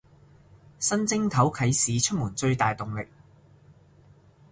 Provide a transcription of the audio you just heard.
新正頭啟市出門最大動力